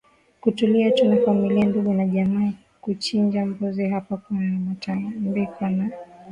kutulia tu na familia ndugu na jamaa Kuchinja mbuzi hapa kuna za matambiko na